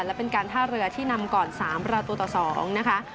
และเป็นการท่าเรือที่นำก่อน๓ประตูต่อ๒นะคะ